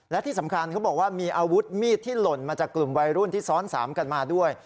และที่สำคัญเขาบอกว่ามีอาวุธมีดที่หล่นมาจากกลุ่มวัยรุ่นที่ซ้อน๓กันมาด้วย